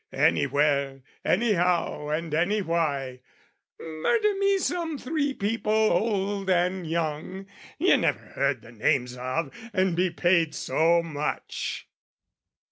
"Anywhere, anyhow and anywhy, "Murder me some three people, old and young, "Ye never heard the names of, and be paid "So much!"